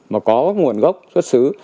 mà có nguồn gốc xuất xứ